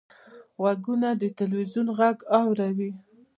غوږونه د تلویزیون غږ اوري